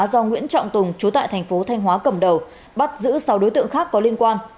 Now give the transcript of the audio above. do nguyễn trọng tùng chú tại thành phố thanh hóa cầm đầu bắt giữ sáu đối tượng khác có liên quan